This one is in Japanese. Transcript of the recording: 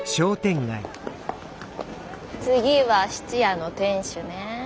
次は質屋の店主ね。